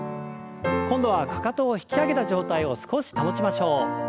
今度はかかとを引き上げた状態を少し保ちましょう。